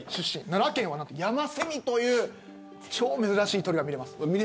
奈良県はヤマセミという超珍しい鳥が見られます。